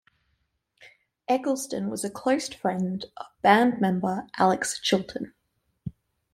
Eggleston was a close friend of band member Alex Chilton.